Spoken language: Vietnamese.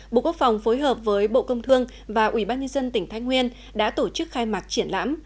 bộ quốc phòng phối hợp với bộ công thương và ủy ban nhân dân tỉnh thái nguyên đã tổ chức khai mạc triển lãm